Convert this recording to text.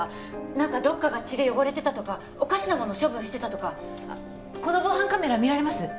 何かどっかが血で汚れてたとかおかしなもの処分してたとかこの防犯カメラ見られます？